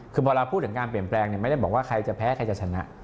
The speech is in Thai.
คือพอเราพูดถึงการเปลี่ยนแปลงไม่ได้บอกว่าใครจะแพ้ใครจะชนะ